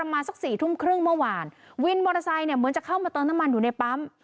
มาสักสี่ทุ่มครึ่งเมื่อวานวินมอเตอร์ไซค์เนี่ยเหมือนจะเข้ามาเติมน้ำมันอยู่ในปั๊ม